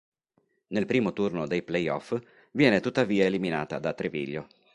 Nel primo turno dei play-off viene tuttavia eliminata da Treviglio.